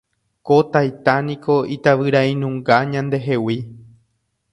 Ko taita niko itavyrainunga ñandehegui